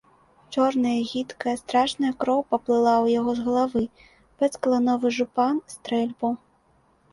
Чорная, гідкая, страшная кроў паплыла ў яго з галавы, пэцкала новы жупан, стрэльбу.